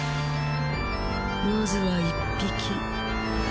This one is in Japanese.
まずは１匹。